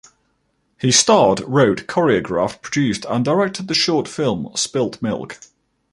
He starred, wrote, choreographed, produced and directed the short film "Spilt Milk".